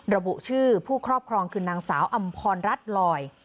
ระบุชื่อผู้ครอบครองคือนางสาวอำพรรัฐลอย